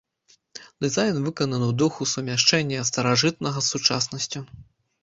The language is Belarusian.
Дызайн выкананы ў духу сумяшчэння старажытнага з сучаснасцю.